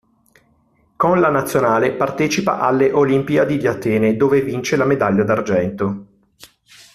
Con la nazionale partecipa alle Olimpiadi di Atene, dove vince la medaglia d'argento.